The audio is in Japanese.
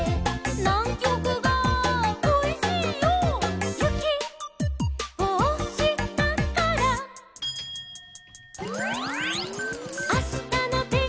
「『ナンキョクがこいしいよ』」「ゆきをおしたから」「あしたのてんきは」